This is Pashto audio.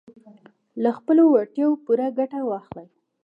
له خپلو وړتیاوو پوره ګټه واخلئ.